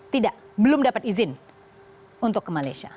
tidak belum dapat izin untuk ke malaysia